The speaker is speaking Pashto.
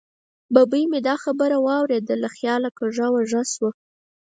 ببۍ مې دا سندره واورېده، له خیاله کږه وږه شوه.